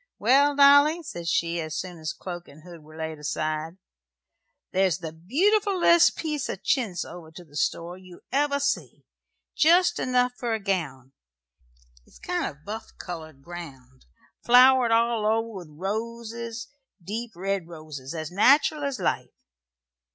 "Well, Dolly," said she, as soon as cloak and hood were laid aside, "there's the beautifulest piece of chintz over to the store you ever see jest enough for a gown. It's kind of buff coloured ground, flowered all over with roses, deep red roses, as nateral as life.